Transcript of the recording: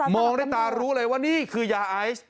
องด้วยตารู้เลยว่านี่คือยาไอซ์